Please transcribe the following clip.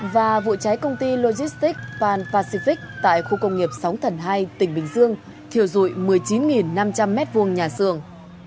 và vụ cháy công ty logistics pan pacific tại khu công nghiệp sóng thần hai tỉnh bình dương thiêu dụi một mươi chín năm trăm linh m hai nhà xưởng